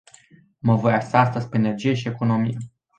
Mă voi axa astăzi pe energie și economie.